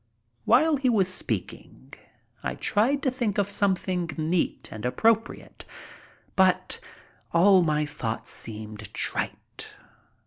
While he was speaking I tried to think of something neat and appropriate, but all my thoughts seemed trite.